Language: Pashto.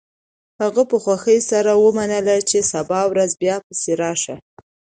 هغه په خوښۍ سره ومنله چې سبا ورځ بیا پسې راشي